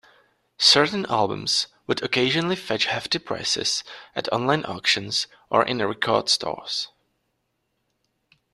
Certain albums would occasionally fetch hefty prices at online auctions or in record stores.